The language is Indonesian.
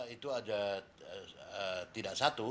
itu ada tidak satu